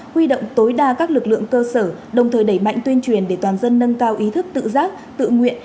huy động tối đa các lực lượng cơ sở đồng thời đẩy mạnh tuyên truyền để toàn dân nâng cao ý thức tự giác tự nguyện